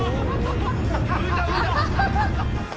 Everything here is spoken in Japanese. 浮いた浮いた。